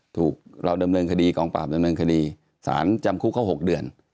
ถูกเราเดิมเรือนคดีกองปราบเขาถูกเดิมเรือนคดีศาลจำคุกเขา๖เดือน